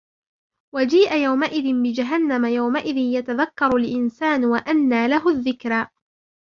وجيء يومئذ بجهنم يومئذ يتذكر الإنسان وأنى له الذكرى